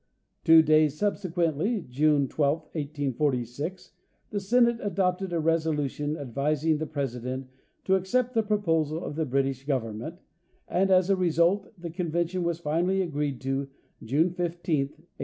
Two days subsequently, June 12, 1846, the Senate adopted a resolu tion advising the President to accept the proposal of the British government, and as a result the convention was finally agreed to June 15, 1846.